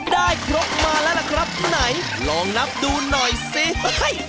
ได้ครบมาแล้วล่ะครับไหนลองนับดูหน่อยสิ